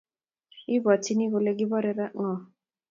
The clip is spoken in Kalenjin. Ibwotyini kole kibore ngo?